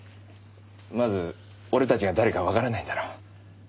まず俺たちが誰かわからないんだろ。